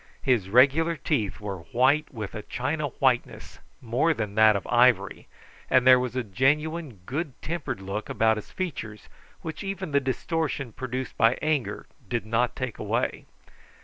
His regular teeth were white with a china whiteness, more than that of ivory, and there was a genuine good tempered look about his features which even the distortion produced by anger did not take away.